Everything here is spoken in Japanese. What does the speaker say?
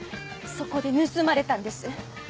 そこで盗まれたんです。